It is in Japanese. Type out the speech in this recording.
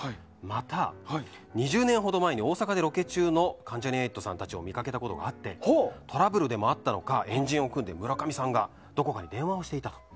また、２０年ほど前に大阪でロケ中の関ジャニ∞さんたちを見かけたことがあってトラブルでもあったのか円陣を組んで村上さんがどこかに電話をしていたと。